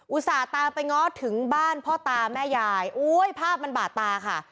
อุตส่าห์ตามไปง้อถึงบ้านพ่อตาแม่ยายโอ้ยภาพมันบาดตาค่ะ